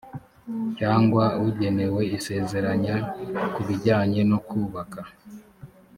cyangwa ugenewe isezeranya ku bijyanye no kubaka